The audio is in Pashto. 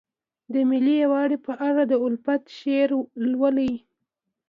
د ملي یووالي په اړه د الفت شعر لولئ.